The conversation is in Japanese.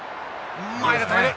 前で止める！